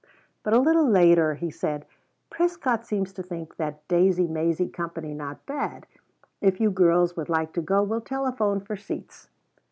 But a little later he said: "Prescott seems to think that Daisey Maisey company not bad. If you girls would like to go we'll telephone for seats."